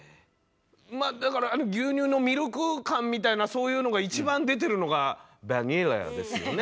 まあだから牛乳のミルク感みたいなそういうのが一番出てるのがヴァニラですよね。